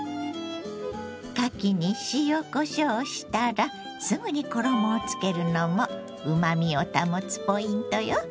かきに塩こしょうしたらすぐに衣をつけるのもうまみを保つポイントよ。